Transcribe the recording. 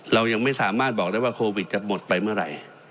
เรายังไม่สามารถบอกได้ว่าโควิดจะหมดไปเมื่อไหร่